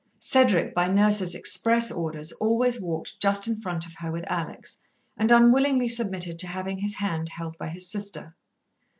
Cedric, by Nurse's express orders, always walked just in front of her with Alex, and unwillingly submitted to having his hand held by his sister.